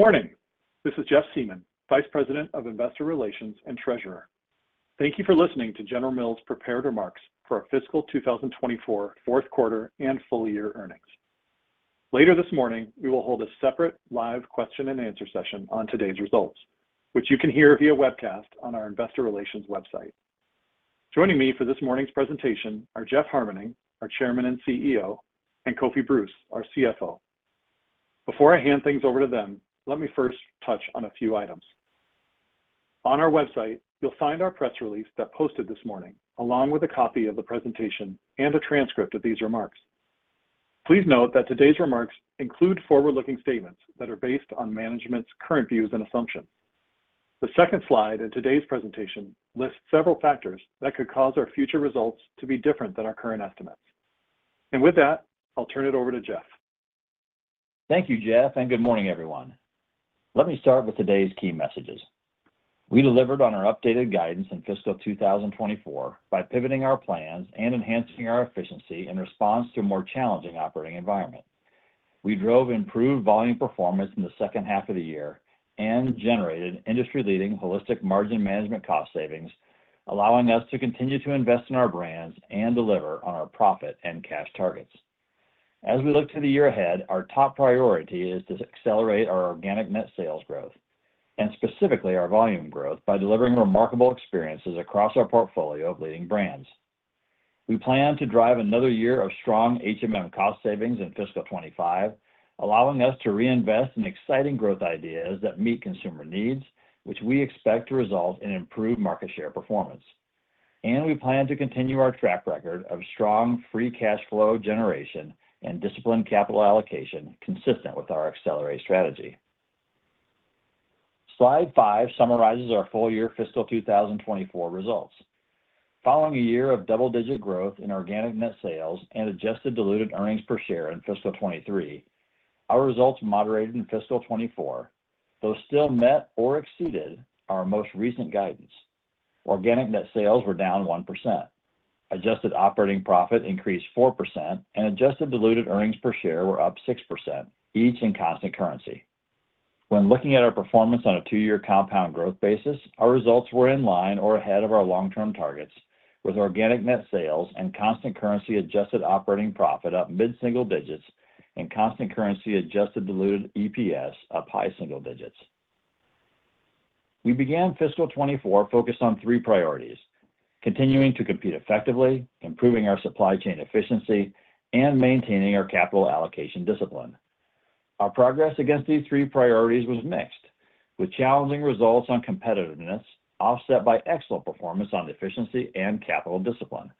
Good morning. This is Jeff Siemon, Vice President of Investor Relations and Treasurer. Thank you for listening to General Mills' prepared remarks for our fiscal 2024 fourth quarter and full year earnings. Later this morning, we will hold a separate live question-and-answer session on today's results, which you can hear via webcast on our Investor Relations website. Joining me for this morning's presentation are Jeff Harmening, our Chairman and CEO, and Kofi Bruce, our CFO. Before I hand things over to them, let me first touch on a few items. On our website, you'll find our press release that posted this morning, along with a copy of the presentation and a transcript of these remarks. Please note that today's remarks include forward-looking statements that are based on management's current views and assumptions. The second slide in today's presentation lists several factors that could cause our future results to be different than our current estimates. With that, I'll turn it over to Jeff. Thank you, Jeff, and good morning, everyone. Let me start with today's key messages. We delivered on our updated guidance in fiscal 2024 by pivoting our plans and enhancing our efficiency in response to a more challenging operating environment. We drove improved volume performance in the second half of the year and generated industry-leading holistic margin management cost savings, allowing us to continue to invest in our brands and deliver on our profit and cash targets. As we look to the year ahead, our top priority is to accelerate our organic net sales growth, and specifically our volume growth, by delivering remarkable experiences across our portfolio of leading brands. We plan to drive another year of strong cost savings in fiscal 2025, allowing us to reinvest in exciting growth ideas that meet consumer needs, which we expect to result in improved market share performance. We plan to continue our track record of strong free cash flow generation and disciplined capital allocation consistent with our Accelerate strategy. Slide 5 summarizes our full-year fiscal 2024 results. Following a year of double-digit growth in organic net sales and adjusted diluted earnings per share in fiscal 2023, our results moderated in fiscal 2024, though still met or exceeded our most recent guidance. Organic net sales were down 1%. Adjusted operating profit increased 4%, and adjusted diluted earnings per share were up 6%, each in constant currency. When looking at our performance on a 2-year compound growth basis, our results were in line or ahead of our long-term targets, with organic net sales and constant currency adjusted operating profit up mid-single digits and constant currency adjusted diluted EPS up high single digits. We began fiscal 2024 focused on three priorities: continuing to compete effectively, improving our supply chain efficiency, and maintaining our capital allocation discipline. Our progress against these three priorities was mixed, with challenging results on competitiveness offset by excellent performance on efficiency and capital discipline.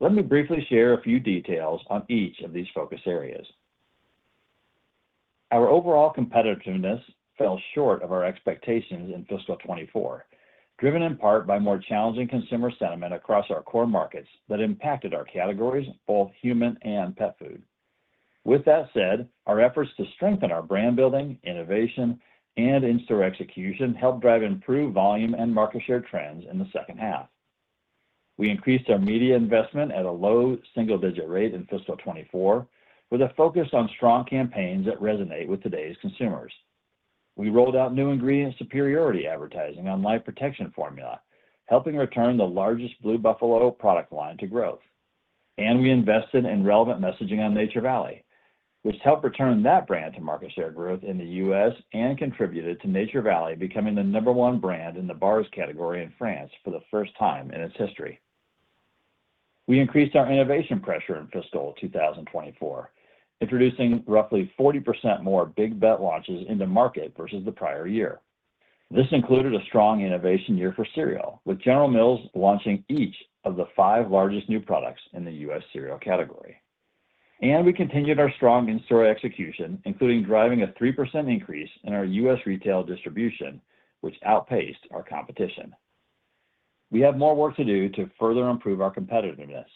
Let me briefly share a few details on each of these focus areas. Our overall competitiveness fell short of our expectations in fiscal 2024, driven in part by more challenging consumer sentiment across our core markets that impacted our categories, both human and pet food. With that said, our efforts to strengthen our brand building, innovation, and in-store execution helped drive improved volume and market share trends in the second half. We increased our media investment at a low single-digit rate in fiscal 2024, with a focus on strong campaigns that resonate with today's consumers. We rolled out new ingredient superiority advertising on Life Protection Formula, helping return the largest Blue Buffalo product line to growth. We invested in relevant messaging on Nature Valley, which helped return that brand to market share growth in the U.S. and contributed to Nature Valley becoming the number one brand in the bars category in France for the first time in its history. We increased our innovation pressure in fiscal 2024, introducing roughly 40% more big bet launches into market versus the prior year. This included a strong innovation year for cereal, with General Mills launching each of the five largest new products in the U.S. cereal category. We continued our strong in-store execution, including driving a 3% increase in our U.S. retail distribution, which outpaced our competition. We have more work to do to further improve our competitiveness,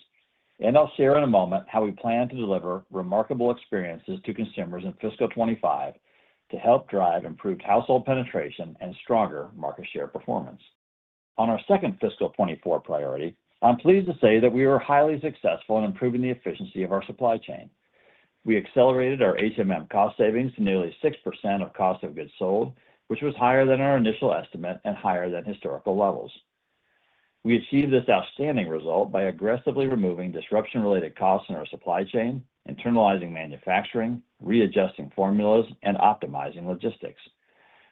and I'll share in a moment how we plan to deliver remarkable experiences to consumers in fiscal 2025 to help drive improved household penetration and stronger market share performance. On our second fiscal 2024 priority, I'm pleased to say that we were highly successful in improving the efficiency of our supply chain. We accelerated our cost savings to nearly 6% of cost of goods sold, which was higher than our initial estimate and higher than historical levels. We achieved this outstanding result by aggressively removing disruption-related costs in our supply chain, internalizing manufacturing, readjusting formulas, and optimizing logistics.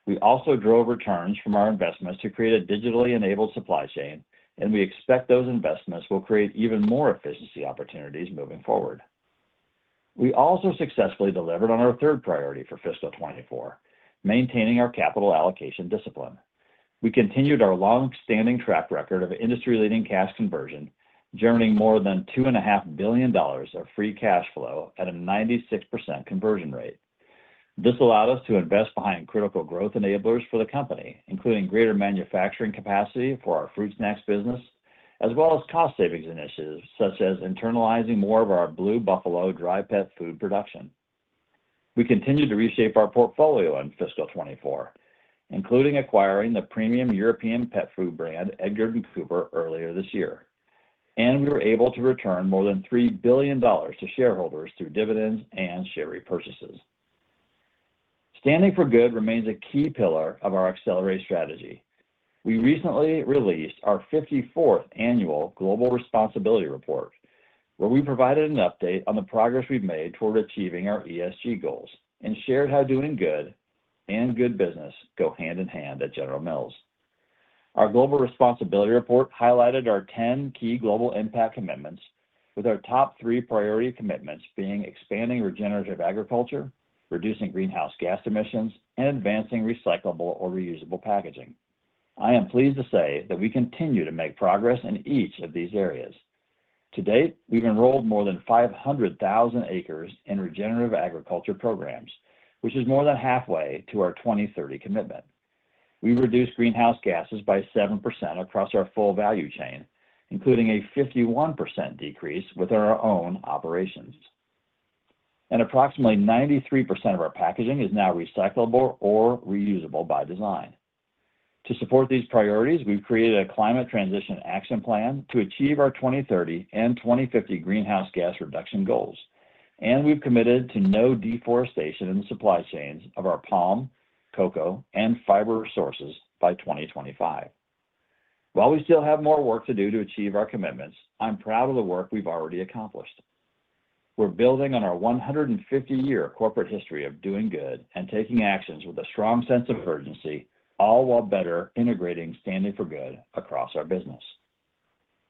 We also drove returns from our investments to create a digitally enabled supply chain, and we expect those investments will create even more efficiency opportunities moving forward. We also successfully delivered on our third priority for fiscal 2024, maintaining our capital allocation discipline. We continued our long-standing track record of industry-leading cash conversion, generating more than $2.5 billion of free cash flow at a 96% conversion rate. This allowed us to invest behind critical growth enablers for the company, including greater manufacturing capacity for our fruit snacks business, as well as cost savings initiatives such as internalizing more of our Blue Buffalo dry pet food production. We continued to reshape our portfolio in fiscal 2024, including acquiring the premium European pet food brand Edgard & Cooper earlier this year. And we were able to return more than $3 billion to shareholders through dividends and share repurchases. Standing for Good remains a key pillar of our Accelerate strategy. We recently released our 54th Annual Global Responsibility Report, where we provided an update on the progress we've made toward achieving our ESG goals and shared how doing good and good business go hand in hand at General Mills. Our Global Responsibility Report highlighted our 10 key global impact commitments, with our top three priority commitments being expanding regenerative agriculture, reducing greenhouse gas emissions, and advancing recyclable or reusable packaging. I am pleased to say that we continue to make progress in each of these areas. To date, we've enrolled more than 500,000 acres in regenerative agriculture programs, which is more than halfway to our 2030 commitment. We reduced greenhouse gases by 7% across our full value chain, including a 51% decrease within our own operations. Approximately 93% of our packaging is now recyclable or reusable by design. To support these priorities, we've created a Climate Transition Action Plan to achieve our 2030 and 2050 greenhouse gas reduction goals. We've committed to no deforestation in the supply chains of our palm, cocoa, and fiber sources by 2025. While we still have more work to do to achieve our commitments, I'm proud of the work we've already accomplished. We're building on our 150-year corporate history of doing good and taking actions with a strong sense of urgency, all while better integrating Standing for Good across our business.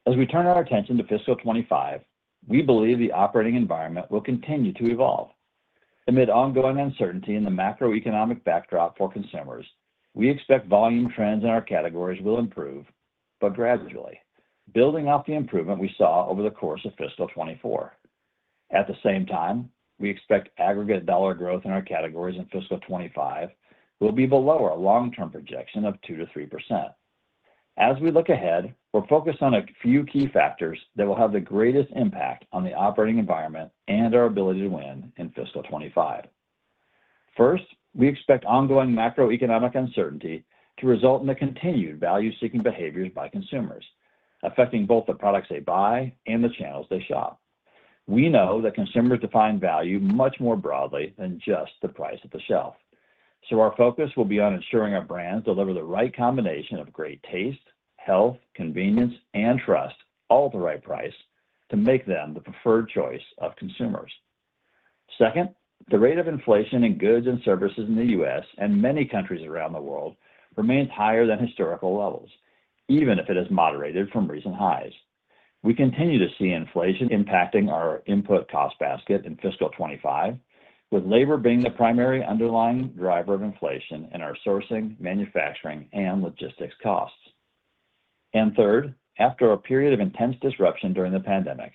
As we turn our attention to fiscal 2025, we believe the operating environment will continue to evolve. Amid ongoing uncertainty in the macroeconomic backdrop for consumers, we expect volume trends in our categories will improve, but gradually, building off the improvement we saw over the course of fiscal 2024. At the same time, we expect aggregate dollar growth in our categories in fiscal 2025 will be below our long-term projection of 2%-3%. As we look ahead, we're focused on a few key factors that will have the greatest impact on the operating environment and our ability to win in fiscal 2025. First, we expect ongoing macroeconomic uncertainty to result in the continued value-seeking behaviors by consumers, affecting both the products they buy and the channels they shop. We know that consumers define value much more broadly than just the price at the shelf. So our focus will be on ensuring our brands deliver the right combination of great taste, health, convenience, and trust, all at the right price to make them the preferred choice of consumers. Second, the rate of inflation in goods and services in the U.S. and many countries around the world remains higher than historical levels, even if it has moderated from recent highs. We continue to see inflation impacting our input cost basket in fiscal 2025, with labor being the primary underlying driver of inflation in our sourcing, manufacturing, and logistics costs. And third, after a period of intense disruption during the pandemic,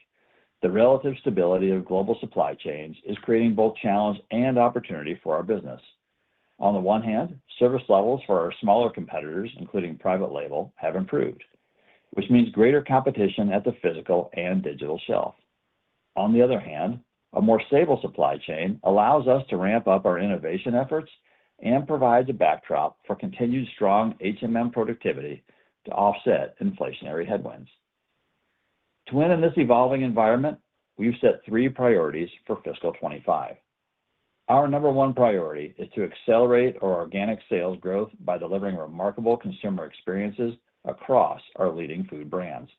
the relative stability of global supply chains is creating both challenge and opportunity for our business. On the one hand, service levels for our smaller competitors, including private label, have improved, which means greater competition at the physical and digital shelf. On the other hand, a more stable supply chain allows us to ramp up our innovation efforts and provides a backdrop for continued strong productivity to offset inflationary headwinds. To win in this evolving environment, we've set three priorities for fiscal 2025. Our number one priority is to accelerate our organic sales growth by delivering remarkable consumer experiences across our leading food brands.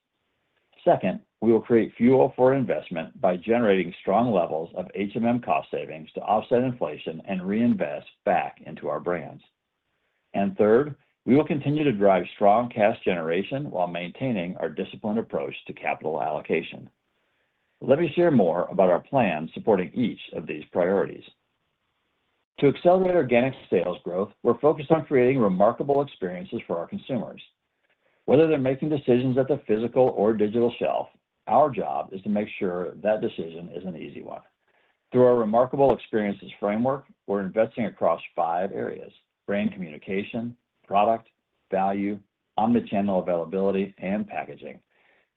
Second, we will create fuel for investment by generating strong levels of cost savings to offset inflation and reinvest back into our brands. And third, we will continue to drive strong cash generation while maintaining our disciplined approach to capital allocation. Let me share more about our plan supporting each of these priorities. To accelerate organic sales growth, we're focused on creating remarkable experiences for our consumers. Whether they're making decisions at the physical or digital shelf, our job is to make sure that decision is an easy one. Through our remarkable experiences framework, we're investing across five areas: brand communication, product, value, omnichannel availability, and packaging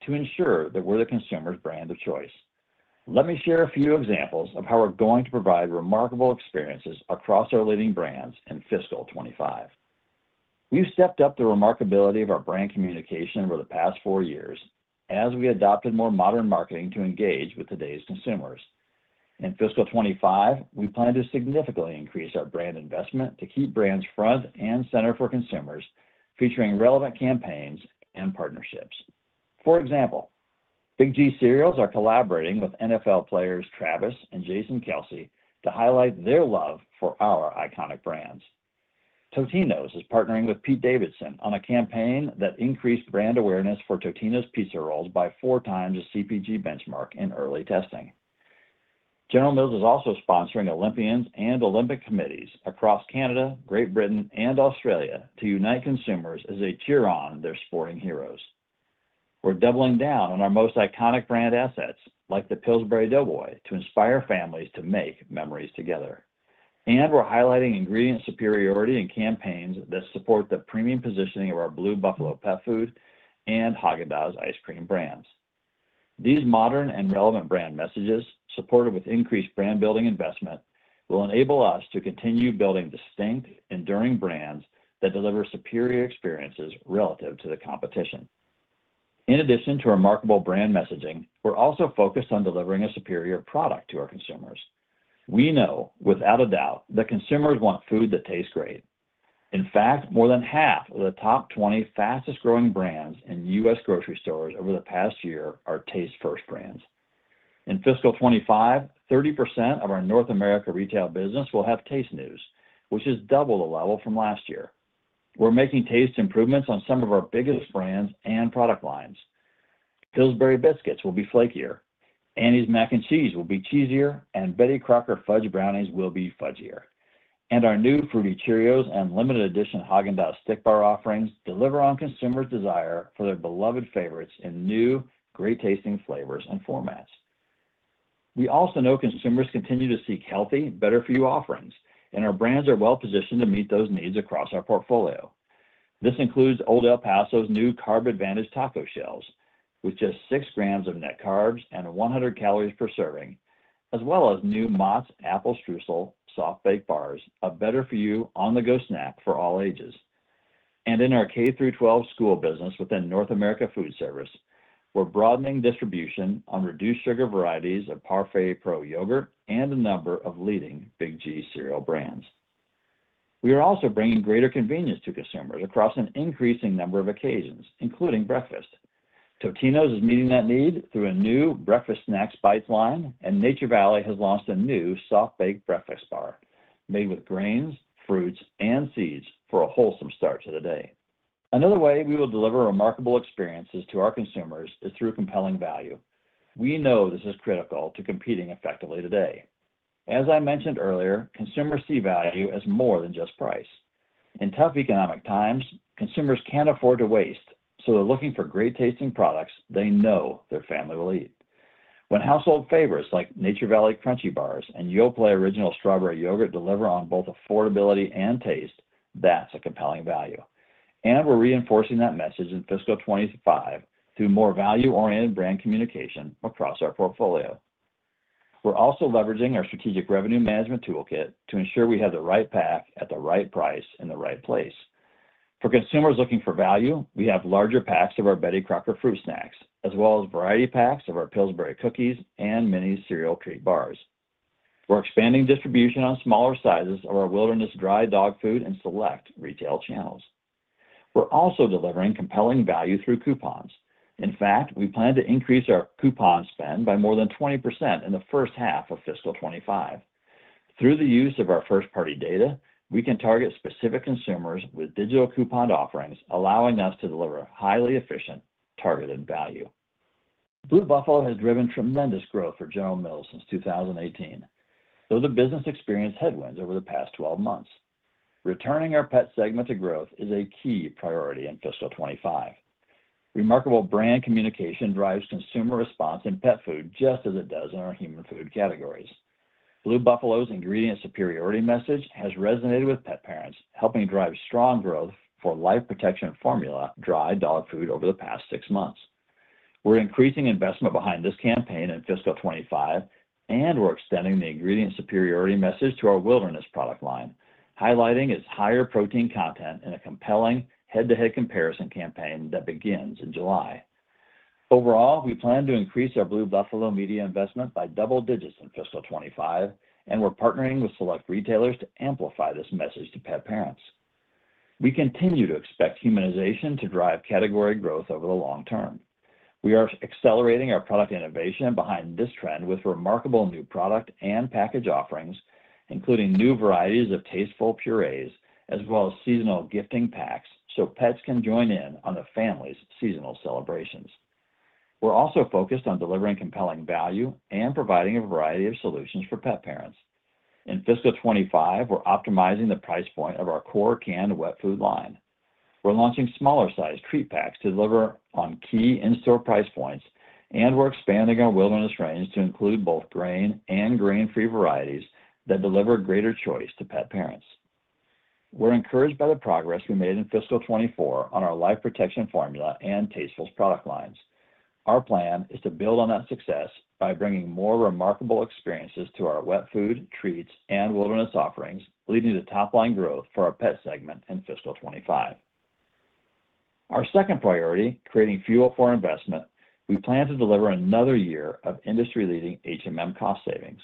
to ensure that we're the consumer's brand of choice. Let me share a few examples of how we're going to provide remarkable experiences across our leading brands in fiscal 2025. We've stepped up the remarkability of our brand communication over the past four years as we adopted more modern marketing to engage with today's consumers. In fiscal 2025, we plan to significantly increase our brand investment to keep brands front and center for consumers, featuring relevant campaigns and partnerships. For example, Big G Cereals are collaborating with NFL players Travis and Jason Kelce to highlight their love for our iconic brands. Totino’s is partnering with Pete Davidson on a campaign that increased brand awareness for Totino’s pizza rolls by 4x the CPG benchmark in early testing. General Mills is also sponsoring Olympians and Olympic committees across Canada, Great Britain, and Australia to unite consumers as they cheer on their sporting heroes. We're doubling down on our most iconic brand assets, like the Pillsbury Doughboy, to inspire families to make memories together. We're highlighting ingredient superiority in campaigns that support the premium positioning of our Blue Buffalo pet food and Häagen-Dazs ice cream brands. These modern and relevant brand messages, supported with increased brand building investment, will enable us to continue building distinct, enduring brands that deliver superior experiences relative to the competition. In addition to remarkable brand messaging, we're also focused on delivering a superior product to our consumers. We know, without a doubt, that consumers want food that tastes great. In fact, more than half of the top 20 fastest-growing brands in U.S. grocery stores over the past year are Taste First brands. In fiscal 2025, 30% of our North America retail business will have Taste News, which is double the level from last year. We're making taste improvements on some of our biggest brands and product lines. Pillsbury Biscuits will be flakier. Annie’s Mac & Cheese will be cheesier, and Betty Crocker Fudge Brownies will be fudgier. Our new fruity Cheerios and limited edition Häagen-Dazs stick bar offerings deliver on consumers' desire for their beloved favorites in new, great-tasting flavors and formats. We also know consumers continue to seek healthy, better-for-you offerings, and our brands are well-positioned to meet those needs across our portfolio. This includes Old El Paso’s new Carb Advantage Taco Shells, with just six grams of net carbs and 100 calories per serving, as well as new Mott’s Apple Streusel Soft-Baked Bars, a better-for-you on-the-go snack for all ages. In our K-12 school business within North America Food Service, we're broadening distribution on reduced-sugar varieties of Parfait Pro yogurt and a number of leading Big G cereal brands. We are also bringing greater convenience to consumers across an increasing number of occasions, including breakfast. Totino’s is meeting that need through a new Breakfast Snack Bites line, and Nature Valley has launched a new soft-baked breakfast bar made with grains, fruits, and seeds for a wholesome start to the day. Another way we will deliver remarkable experiences to our consumers is through compelling value. We know this is critical to competing effectively today. As I mentioned earlier, consumers see value as more than just price. In tough economic times, consumers can't afford to waste, so they're looking for great-tasting products they know their family will eat. When household favorites like Nature Valley Crunchy Bars and Yoplait Original Strawberry Yogurt deliver on both affordability and taste, that's a compelling value. And we're reinforcing that message in fiscal 2025 through more value-oriented brand communication across our portfolio. We're also leveraging our strategic revenue management toolkit to ensure we have the right pack at the right price in the right place. For consumers looking for value, we have larger packs of our Betty Crocker Fruit Snacks, as well as variety packs of our Pillsbury Cookies and mini cereal treat bars. We're expanding distribution on smaller sizes of our Wilderness Dry Dog Food and select retail channels. We're also delivering compelling value through coupons. In fact, we plan to increase our coupon spend by more than 20% in the first half of fiscal 2025. Through the use of our first-party data, we can target specific consumers with digital coupon offerings, allowing us to deliver highly efficient, targeted value. Blue Buffalo has driven tremendous growth for General Mills since 2018, though the business experienced headwinds over the past 12 months. Returning our pet segment to growth is a key priority in fiscal 2025. Remarkable brand communication drives consumer response in pet food just as it does in our human food categories. Blue Buffalo's ingredient superiority message has resonated with pet parents, helping drive strong growth for Life Protection Formula dry dog food over the past six months. We're increasing investment behind this campaign in fiscal 2025, and we're extending the ingredient superiority message to our Wilderness product line, highlighting its higher protein content in a compelling head-to-head comparison campaign that begins in July. Overall, we plan to increase our Blue Buffalo media investment by double digits in fiscal 2025, and we're partnering with select retailers to amplify this message to pet parents. We continue to expect humanization to drive category growth over the long term. We are accelerating our product innovation behind this trend with remarkable new product and package offerings, including new varieties of Tastefuls purees, as well as seasonal gifting packs so pets can join in on the family's seasonal celebrations. We're also focused on delivering compelling value and providing a variety of solutions for pet parents. In fiscal 2025, we're optimizing the price point of our core canned wet food line. We're launching smaller-sized treat packs to deliver on key in-store price points, and we're expanding our Wilderness range to include both grain and grain-free varieties that deliver greater choice to pet parents. We're encouraged by the progress we made in fiscal 2024 on our Life Protection Formula and Tastefuls product lines. Our plan is to build on that success by bringing more remarkable experiences to our wet food, treats, and Wilderness offerings, leading to top-line growth for our pet segment in fiscal 2025. Our second priority, creating fuel for investment, we plan to deliver another year of industry-leading cost savings.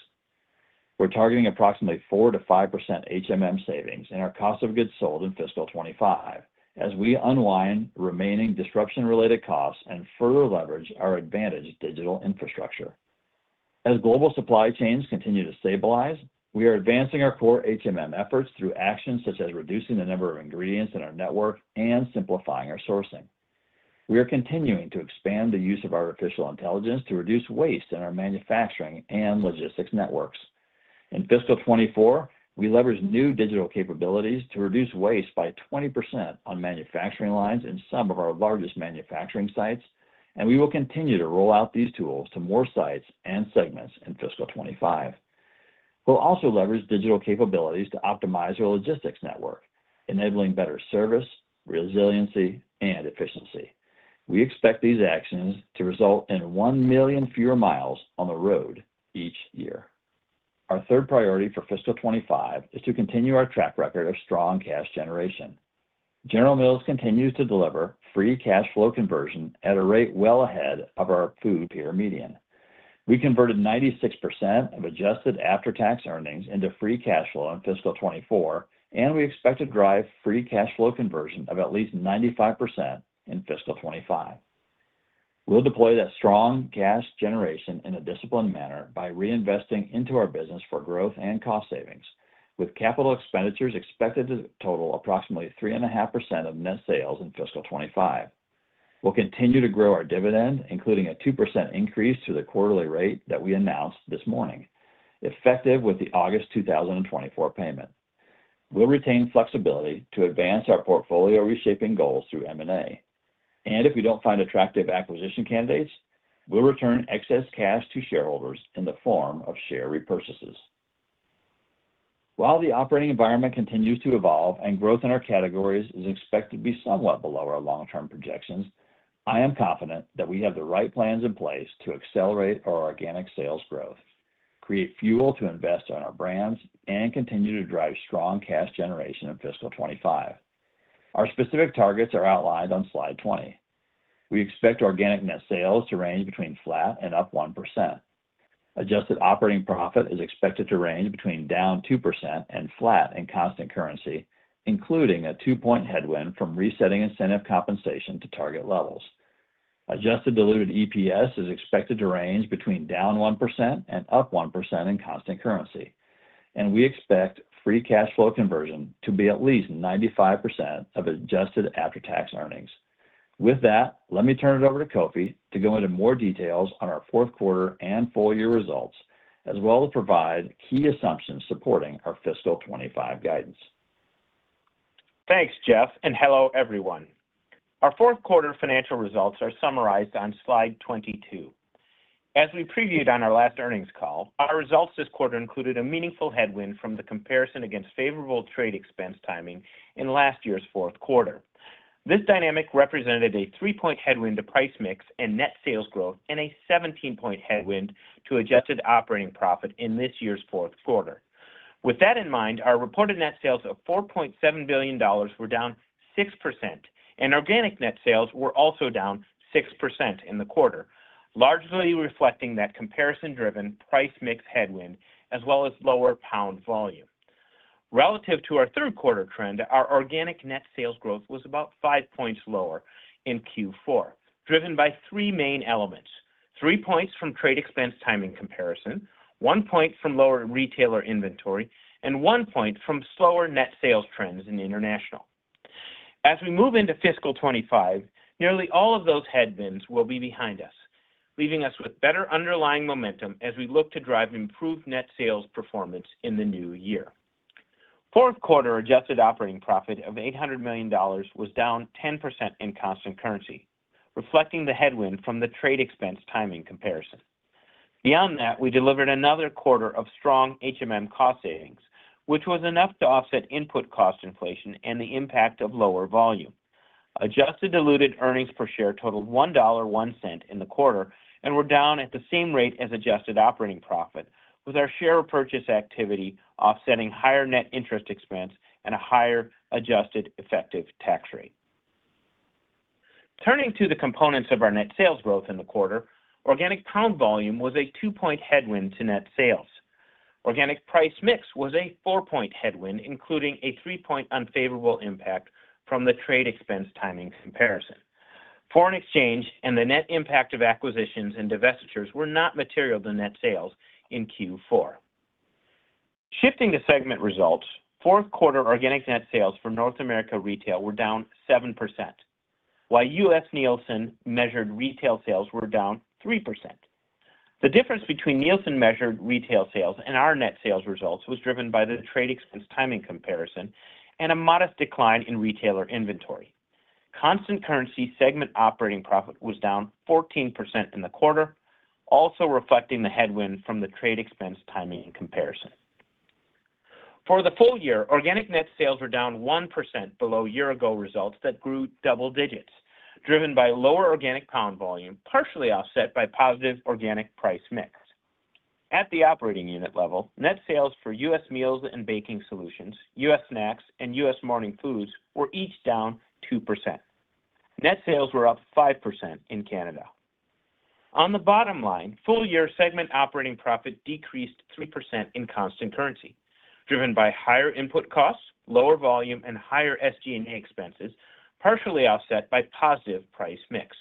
We're targeting approximately 4%-5% savings in our cost of goods sold in fiscal 2025 as we unwind remaining disruption-related costs and further leverage our advantaged digital infrastructure. As global supply chains continue to stabilize, we are advancing our core efforts through actions such as reducing the number of ingredients in our network and simplifying our sourcing. We are continuing to expand the use of artificial intelligence to reduce waste in our manufacturing and logistics networks. In fiscal 2024, we leverage new digital capabilities to reduce waste by 20% on manufacturing lines in some of our largest manufacturing sites, and we will continue to roll out these tools to more sites and segments in fiscal 2025. We'll also leverage digital capabilities to optimize our logistics network, enabling better service, resiliency, and efficiency. We expect these actions to result in 1 million fewer miles on the road each year. Our third priority for fiscal 2025 is to continue our track record of strong cash generation. General Mills continues to deliver free cash flow conversion at a rate well ahead of our food peer median. We converted 96% of adjusted after-tax earnings into free cash flow in fiscal 2024, and we expect to drive free cash flow conversion of at least 95% in fiscal 2025. We'll deploy that strong cash generation in a disciplined manner by reinvesting into our business for growth and cost savings, with capital expenditures expected to total approximately 3.5% of net sales in fiscal 2025. We'll continue to grow our dividend, including a 2% increase to the quarterly rate that we announced this morning, effective with the August 2024 payment. We'll retain flexibility to advance our portfolio reshaping goals through M&A. And if we don't find attractive acquisition candidates, we'll return excess cash to shareholders in the form of share repurchases. While the operating environment continues to evolve and growth in our categories is expected to be somewhat below our long-term projections, I am confident that we have the right plans in place to accelerate our organic sales growth, create fuel to invest in our brands, and continue to drive strong cash generation in fiscal 2025. Our specific targets are outlined on slide 20. We expect organic net sales to range between flat and up 1%. Adjusted operating profit is expected to range between down 2% and flat in constant currency, including a 2-point headwind from resetting incentive compensation to target levels. Adjusted diluted EPS is expected to range between down 1% and up 1% in constant currency, and we expect free cash flow conversion to be at least 95% of adjusted after-tax earnings. With that, let me turn it over to Kofi to go into more details on our fourth quarter and full year results, as well as provide key assumptions supporting our fiscal 2025 guidance. Thanks, Jeff, and hello, everyone. Our fourth quarter financial results are summarized on slide 22. As we previewed on our last earnings call, our results this quarter included a meaningful headwind from the comparison against favorable trade expense timing in last year's fourth quarter. This dynamic represented a 3-point headwind to price mix and net sales growth and a 17-point headwind to adjusted operating profit in this year's fourth quarter. With that in mind, our reported net sales of $4.7 billion were down 6%, and organic net sales were also down 6% in the quarter, largely reflecting that comparison-driven price mix headwind, as well as lower pound volume. Relative to our third quarter trend, our organic net sales growth was about 5 points lower in Q4, driven by three main elements: three points from trade expense timing comparison, one point from lower retailer inventory, and one point from slower net sales trends in international. As we move into fiscal 2025, nearly all of those headwinds will be behind us, leaving us with better underlying momentum as we look to drive improved net sales performance in the new year. Fourth quarter adjusted operating profit of $800 million was down 10% in constant currency, reflecting the headwind from the trade expense timing comparison. Beyond that, we delivered another quarter of strong cost savings, which was enough to offset input cost inflation and the impact of lower volume. Adjusted diluted earnings per share totaled $1.01 in the quarter and were down at the same rate as adjusted operating profit, with our share of purchase activity offsetting higher net interest expense and a higher adjusted effective tax rate. Turning to the components of our net sales growth in the quarter, organic pound volume was a 2-point headwind to net sales. Organic price mix was a 4-point headwind, including a 3-point unfavorable impact from the trade expense timing comparison. Foreign exchange and the net impact of acquisitions and divestitures were not material to net sales in Q4. Shifting to segment results, fourth quarter organic net sales for North America retail were down 7%, while U.S. Nielsen-measured retail sales were down 3%. The difference between Nielsen-measured retail sales and our net sales results was driven by the trade expense timing comparison and a modest decline in retailer inventory. Constant currency segment operating profit was down 14% in the quarter, also reflecting the headwind from the trade expense timing comparison. For the full year, organic net sales were down 1% below year-ago results that grew double digits, driven by lower organic pound volume, partially offset by positive organic price mix. At the operating unit level, net sales for U.S. Meals and Baking Solutions, U.S. Snacks, and U.S. Morning Foods were each down 2%. Net sales were up 5% in Canada. On the bottom line, full-year segment operating profit decreased 3% in constant currency, driven by higher input costs, lower volume, and higher SG&A expenses, partially offset by positive price mix.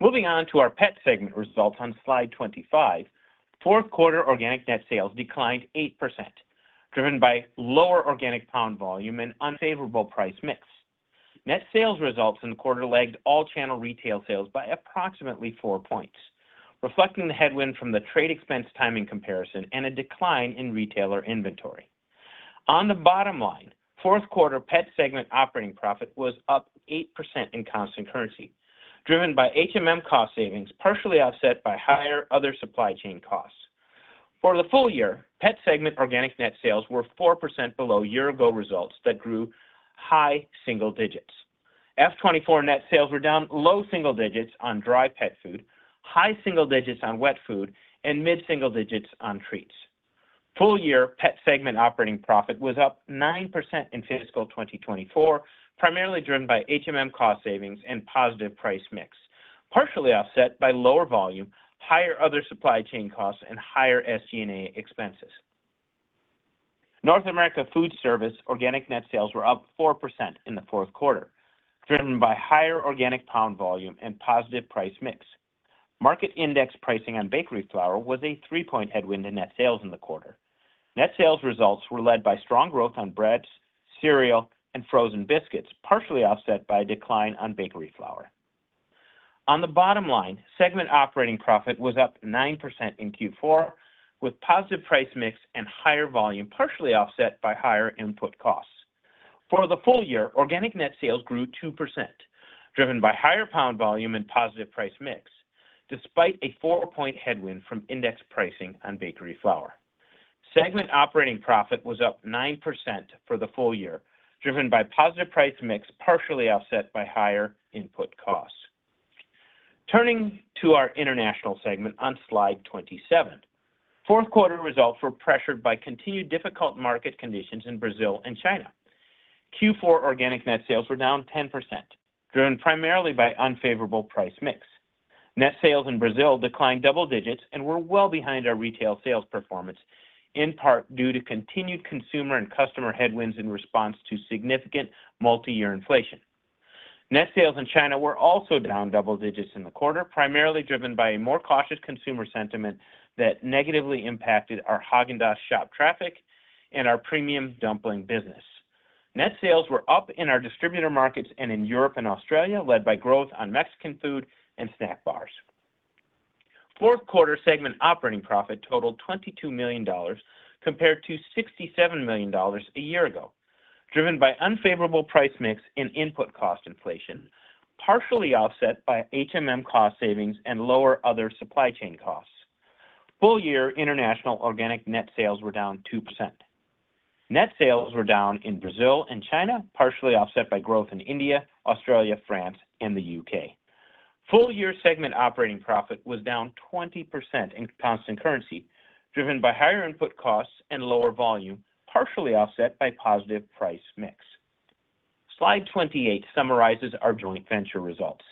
Moving on to our pet segment results on slide 25, fourth quarter organic net sales declined 8%, driven by lower organic pound volume and unfavorable price mix. Net sales lagged all-channel retail sales by approximately four points, reflecting the headwind from the trade expense timing comparison and a decline in retailer inventory. On the bottom line, fourth quarter pet segment operating profit was up 8% in constant currency, driven by cost savings, partially offset by higher other supply chain costs. For the full year, pet segment organic net sales were 4% below year-ago results that grew high single digits. Fiscal 2024 net sales were down low single digits on dry pet food, high single digits on wet food, and mid-single digits on treats. Full year pet segment operating profit was up 9% in fiscal 2024, primarily driven by cost savings and positive price mix, partially offset by lower volume, higher other supply chain costs, and higher SG&A expenses. North America Food Service organic net sales were up 4% in the fourth quarter, driven by higher organic pound volume and positive price mix. Market index pricing on bakery flour was a 3-point headwind to net sales in the quarter. Net sales results were led by strong growth on breads, cereal, and frozen biscuits, partially offset by a decline on bakery flour. On the bottom line, segment operating profit was up 9% in Q4, with positive price mix and higher volume, partially offset by higher input costs. For the full year, organic net sales grew 2%, driven by higher pound volume and positive price mix, despite a 4-point headwind from index pricing on bakery flour. Segment operating profit was up 9% for the full year, driven by positive price mix, partially offset by higher input costs. Turning to our international segment on slide 27, fourth quarter results were pressured by continued difficult market conditions in Brazil and China. Q4 organic net sales were down 10%, driven primarily by unfavorable price mix. Net sales in Brazil declined double digits and were well behind our retail sales performance, in part due to continued consumer and customer headwinds in response to significant multi-year inflation. Net sales in China were also down double digits in the quarter, primarily driven by a more cautious consumer sentiment that negatively impacted our Häagen-Dazs shop traffic and our premium dumpling business. Net sales were up in our distributor markets and in Europe and Australia, led by growth on Mexican food and snack bars. Fourth quarter segment operating profit totaled $22 million, compared to $67 million a year ago, driven by unfavorable price mix and input cost inflation, partially offset by cost savings and lower other supply chain costs. Full year international organic net sales were down 2%. Net sales were down in Brazil and China, partially offset by growth in India, Australia, France, and the UK. Full year segment operating profit was down 20% in constant currency, driven by higher input costs and lower volume, partially offset by positive price mix. Slide 28 summarizes our joint venture results.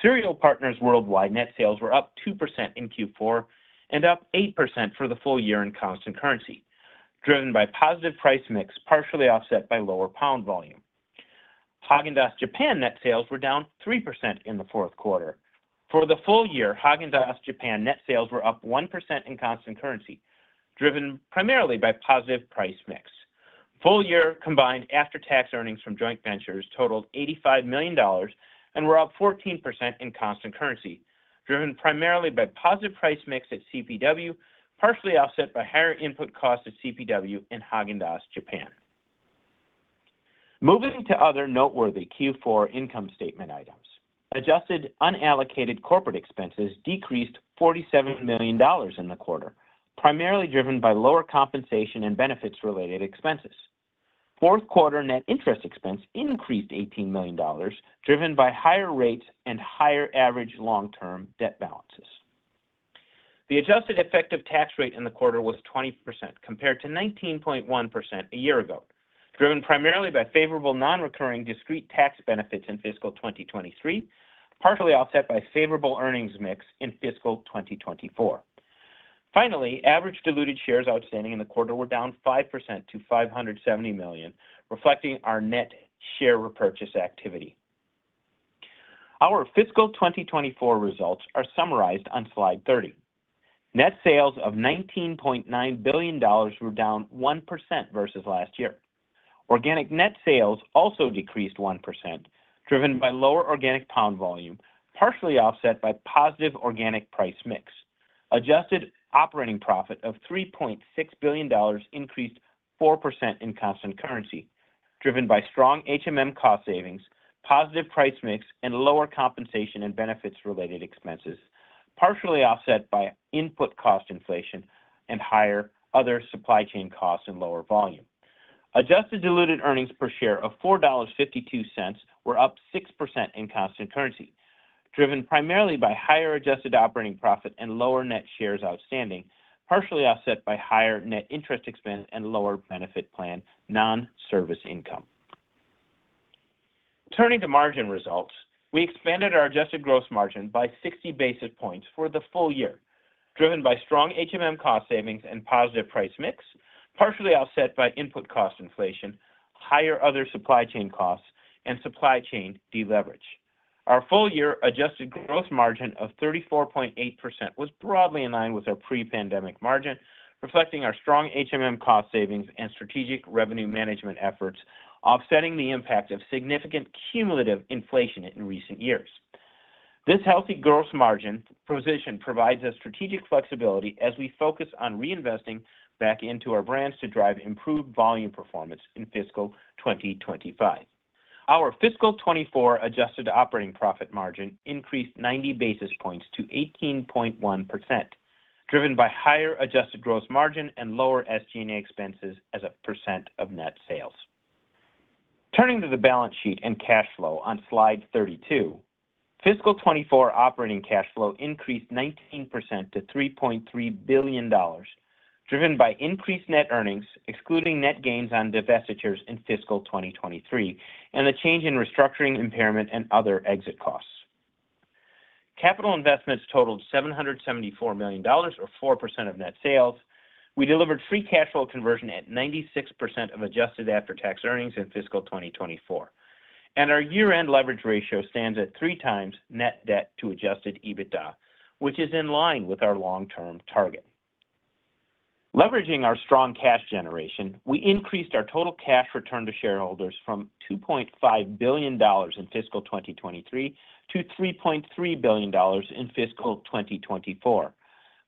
Cereal Partners Worldwide net sales were up 2% in Q4 and up 8% for the full year in constant currency, driven by positive price mix, partially offset by lower pound volume. Häagen-Dazs Japan net sales were down 3% in the fourth quarter. For the full year, Häagen-Dazs Japan net sales were up 1% in constant currency, driven primarily by positive price mix. Full year combined after-tax earnings from joint ventures totaled $85 million and were up 14% in constant currency, driven primarily by positive price mix at CPW, partially offset by higher input costs at CPW and Häagen-Dazs Japan. Moving to other noteworthy Q4 income statement items, adjusted unallocated corporate expenses decreased $47 million in the quarter, primarily driven by lower compensation and benefits-related expenses. Fourth quarter net interest expense increased $18 million, driven by higher rates and higher average long-term debt balances. The adjusted effective tax rate in the quarter was 20%, compared to 19.1% a year ago, driven primarily by favorable non-recurring discrete tax benefits in fiscal 2023, partially offset by favorable earnings mix in fiscal 2024. Finally, average diluted shares outstanding in the quarter were down 5% to 570 million, reflecting our net share repurchase activity. Our fiscal 2024 results are summarized on slide 30. Net sales of $19.9 billion were down 1% versus last year. Organic net sales also decreased 1%, driven by lower organic pound volume, partially offset by positive organic price mix. Adjusted operating profit of $3.6 billion increased 4% in constant currency, driven by strong cost savings, positive price mix, and lower compensation and benefits-related expenses, partially offset by input cost inflation and higher other supply chain costs and lower volume. Adjusted diluted earnings per share of $4.52 were up 6% in constant currency, driven primarily by higher adjusted operating profit and lower net shares outstanding, partially offset by higher net interest expense and lower benefit plan non-service income. Turning to margin results, we expanded our adjusted gross margin by 60 basis points for the full year, driven by strong cost savings and positive price mix, partially offset by input cost inflation, higher other supply chain costs, and supply chain deleverage. Our full year adjusted gross margin of 34.8% was broadly in line with our pre-pandemic margin, reflecting our strong cost savings and strategic revenue management efforts, offsetting the impact of significant cumulative inflation in recent years. This healthy gross margin position provides us strategic flexibility as we focus on reinvesting back into our brands to drive improved volume performance in fiscal 2025. Our fiscal 2024 adjusted operating profit margin increased 90 basis points to 18.1%, driven by higher adjusted gross margin and lower SG&A expenses as a percent of net sales. Turning to the balance sheet and cash flow on slide 32, fiscal 2024 operating cash flow increased 19% to $3.3 billion, driven by increased net earnings, excluding net gains on divestitures in fiscal 2023, and the change in restructuring impairment and other exit costs. Capital investments totaled $774 million, or 4% of net sales. We delivered free cash flow conversion at 96% of adjusted after-tax earnings in fiscal 2024, and our year-end leverage ratio stands at 3x net debt to adjusted EBITDA, which is in line with our long-term target. Leveraging our strong cash generation, we increased our total cash return to shareholders from $2.5 billion in fiscal 2023 to $3.3 billion in fiscal 2024.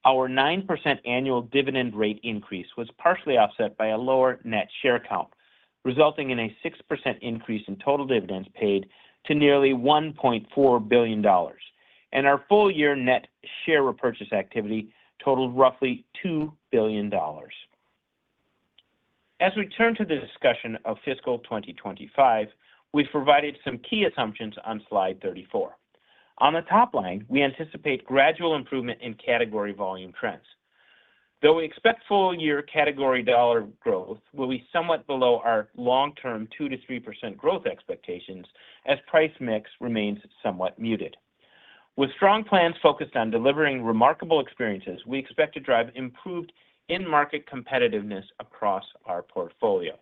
Our 9% annual dividend rate increase was partially offset by a lower net share count, resulting in a 6% increase in total dividends paid to nearly $1.4 billion, and our full year net share repurchase activity totaled roughly $2 billion. As we turn to the discussion of fiscal 2025, we've provided some key assumptions on slide 34. On the top line, we anticipate gradual improvement in category volume trends. Though we expect full year category dollar growth will be somewhat below our long-term 2%-3% growth expectations as price mix remains somewhat muted. With strong plans focused on delivering remarkable experiences, we expect to drive improved in-market competitiveness across our portfolio.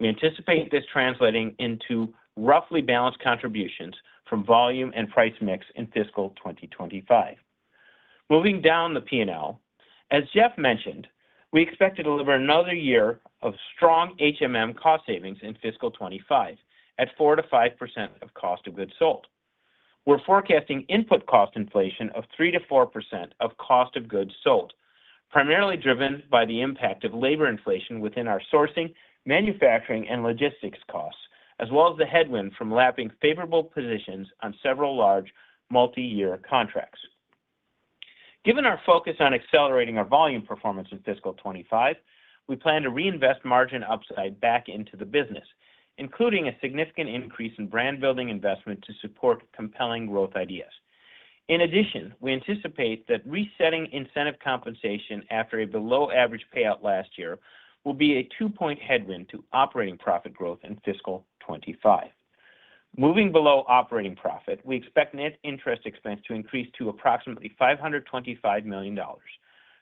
We anticipate this translating into roughly balanced contributions from volume and price mix in fiscal 2025. Moving down the P&L, as Jeff mentioned, we expect to deliver another year of strong cost savings in fiscal 2025 at 4%-5% of cost of goods sold. We're forecasting input cost inflation of 3%-4% of cost of goods sold, primarily driven by the impact of labor inflation within our sourcing, manufacturing, and logistics costs, as well as the headwind from lapping favorable positions on several large multi-year contracts. Given our focus on accelerating our volume performance in fiscal 2025, we plan to reinvest margin upside back into the business, including a significant increase in brand-building investment to support compelling growth ideas. In addition, we anticipate that resetting incentive compensation after a below-average payout last year will be a 2-point headwind to operating profit growth in fiscal 2025. Moving below operating profit, we expect net interest expense to increase to approximately $525 million,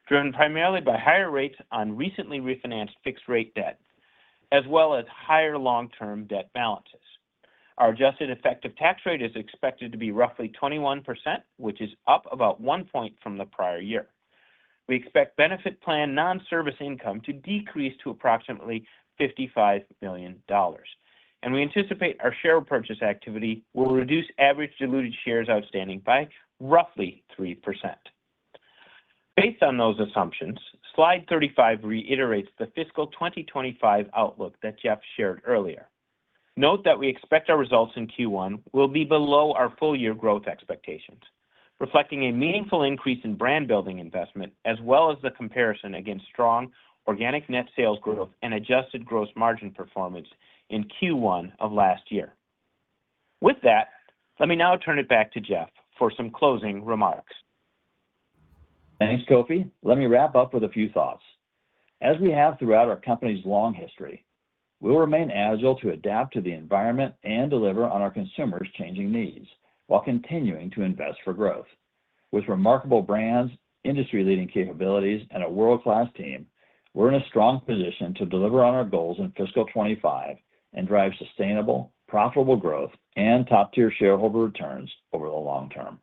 driven primarily by higher rates on recently refinanced fixed-rate debt, as well as higher long-term debt balances. Our adjusted effective tax rate is expected to be roughly 21%, which is up about one point from the prior year. We expect benefit plan non-service income to decrease to approximately $55 million, and we anticipate our share repurchase activity will reduce average diluted shares outstanding by roughly 3%. Based on those assumptions, slide 35 reiterates the fiscal 2025 outlook that Jeff shared earlier. Note that we expect our results in Q1 will be below our full year growth expectations, reflecting a meaningful increase in brand-building investment, as well as the comparison against strong organic net sales growth and adjusted gross margin performance in Q1 of last year. With that, let me now turn it back to Jeff for some closing remarks. Thanks, Kofi. Let me wrap up with a few thoughts. As we have throughout our company's long history, we'll remain agile to adapt to the environment and deliver on our consumers' changing needs while continuing to invest for growth. With remarkable brands, industry-leading capabilities, and a world-class team, we're in a strong position to deliver on our goals in fiscal 2025 and drive sustainable, profitable growth and top-tier shareholder returns over the long term.